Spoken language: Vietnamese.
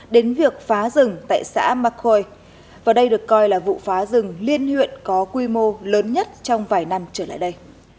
đến việc phá rừng tại xã mạc khôi và đây được coi là vụ phá rừng liên huyện có quy mô lớn nhất trong vài năm trở lại đây